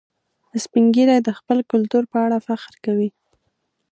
سپین ږیری د خپل کلتور په اړه فخر کوي